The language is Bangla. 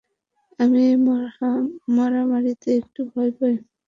আমি মারামারিতে একটু ভয় পাই।